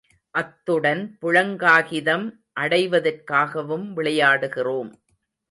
அத்துடன் புளகாங்கிதம் அடைவதற்காகவும் விளையாடுகிறோம்.